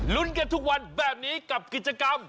ลุ้นกันทุกวันแบบนี้กับกิจกรรม